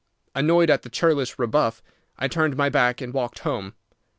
Annoyed at the churlish rebuff, I turned my back and walked home.